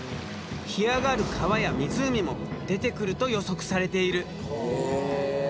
干上がる川や湖も出てくると予測されている。